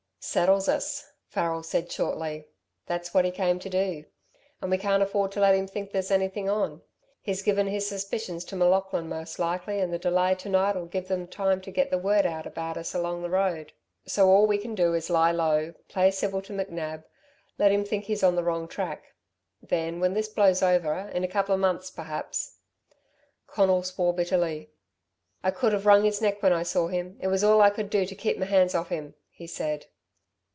"Settles us," Farrel said shortly. "That's what he came to do. And we can't afford to let him think there's anything on. He's given his suspicions to M'Laughlin most likely and the delay to night'll give them time to get the word out about us along the road. So all we can do is lie low, play civil to McNab, let him think he's on the wrong track. Then when this blows over in a couple of months, perhaps " Conal swore bitterly. "I could have wrung his neck when I saw him. It was all I could do to keep me hands off him," he said.